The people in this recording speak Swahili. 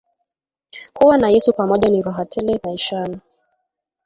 Kuwa na yesu pamoja ni raha tele maishani